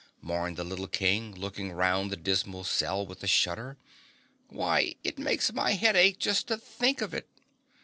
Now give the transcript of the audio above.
mourned the little King, looking round the dismal cell with a shudder. "Why it makes my head ache just to think of it!"